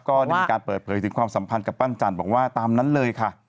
ก็ได้มีการเปิดเผยถึงความสัมพันธ์กับปั้นจันทร์บอกว่าตามนั้นเลยค่ะ